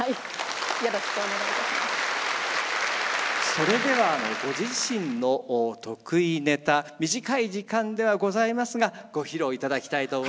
それではご自身の得意ネタ短い時間ではございますがご披露いただきたいと思います。